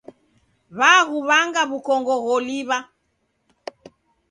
W'aghuw'anga w'ukongo gholiw'a.